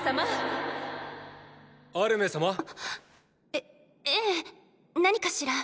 えええ何かしら？